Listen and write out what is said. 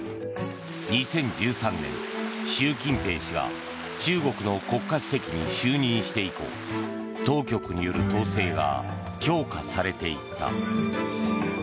２０１３年、習近平氏が中国の国家主席に就任して以降当局による統制が強化されていった。